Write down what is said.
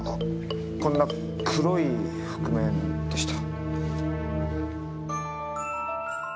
こんな黒い覆面でした。